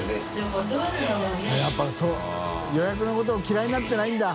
笋辰そう予約のことを嫌いになってないんだ。